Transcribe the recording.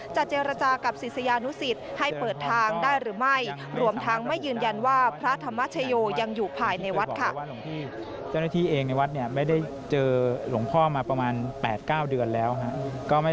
จะเจรจากับศิษยานุสิตให้เปิดทางได้หรือไม่